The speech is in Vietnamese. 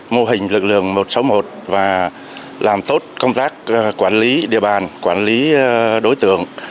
mô hình lực lượng một trăm sáu mươi một và làm tốt công tác quản lý địa bàn quản lý đối tượng